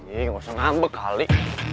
iya gak usah ngambek kali